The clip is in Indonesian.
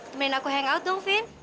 pemain aku hangout dong vin